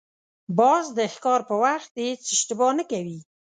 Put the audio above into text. باز د ښکار په وخت هېڅ اشتباه نه کوي